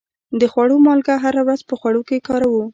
د خوړو مالګه هره ورځ په خوړو کې کاروو.